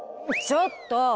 ちょっと！